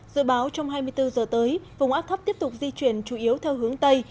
dự báo trong hai mươi bốn giờ tới vùng áp thấp tiếp tục di chuyển chủ yếu theo hướng tây